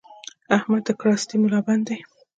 احمد د کراستې ملابند دی؛